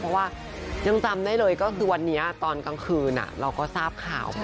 เพราะว่ายังจำได้เลยก็คือวันนี้ตอนกลางคืนเราก็ทราบข่าวมา